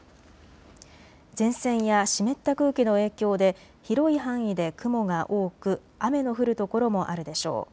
前線や湿った空気の影響で広い範囲で雲が多く雨の降る所もあるでしょう。